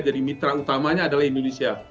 jadi mitra utamanya adalah indonesia